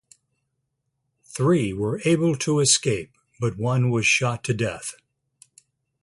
Three were able to escape but one was shot to death.